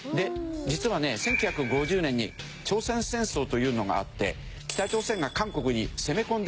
実はね１９５０年に朝鮮戦争というのがあって北朝鮮が韓国に攻め込んできたのね。